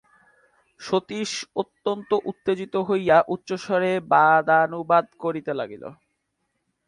সতীশ অত্যন্ত উত্তেজিত হইয়া উচ্চৈঃস্বরে বাদানুবাদ করিতে লাগিল।